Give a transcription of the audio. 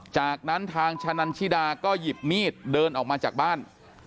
จากนั้นทางชะนันชิดาก็หยิบมีดเดินออกมาจากบ้าน